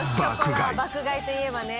爆買いといえばね。